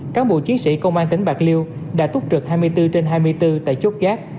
cán bộ chiến sĩ công an tỉnh bạc liêu đã túc trực hai mươi bốn trên hai mươi bốn tại chốt gác